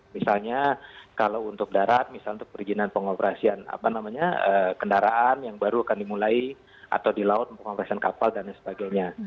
misalnya kalau untuk darat misalnya untuk perizinan pengoperasian kendaraan yang baru akan dimulai atau di laut pengoperasian kapal dan lain sebagainya